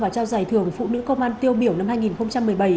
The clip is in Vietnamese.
và trao giải thưởng phụ nữ công an tiêu biểu năm hai nghìn một mươi bảy